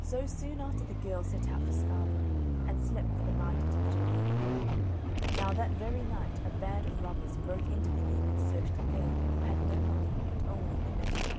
So soon after the girl set out for Scarborough, and slept for the night at a little inn. Now that very night a band of robbers broke into the inn, and searched the girl, who had no money, and only the letter.